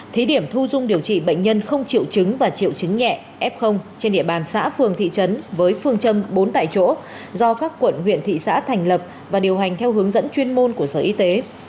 thí điểm thu dung điều trị bệnh nhân không triệu chứng và triệu chứng nhẹ f trên địa bàn xã phường thị trấn với phương châm bốn tại chỗ do các quận huyện thị xã thành lập và điều hành theo hướng dẫn chuyên môn của sở y tế